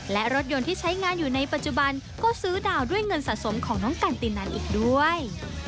และรถยนต์ที่ใช้งานอยู่ในปัจจุบันก็ซื้อดาวด้วยเงินสะสมของน้องกันตินันอีกด้วย